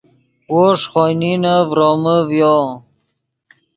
وو ݰے خوئے نینے ڤرومے ڤیو